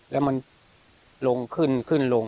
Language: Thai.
แล้วมันลงขึ้นขึ้นลง